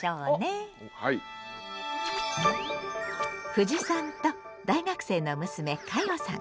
ふじさんと大学生の娘かよさん。